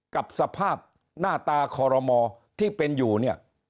กับสภาพหน้าตาคอรมอที่เป็นอยู่เนี่ย